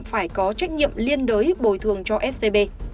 phải có trách nhiệm liên đới bồi thường cho scb